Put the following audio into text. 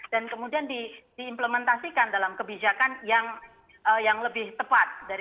dan kemudian diimplementasikan dalam kebijakan yang lebih tepat